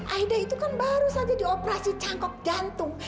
aida itu kan baru saja dioperasi cangkok jantung